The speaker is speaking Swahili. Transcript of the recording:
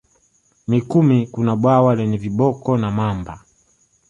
Mikumi kuna bwawa lenye viboko na mamba